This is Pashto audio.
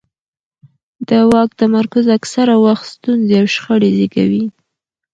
د واک تمرکز اکثره وخت ستونزې او شخړې زیږوي